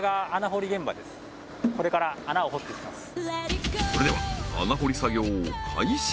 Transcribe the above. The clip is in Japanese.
これから穴を掘っていきます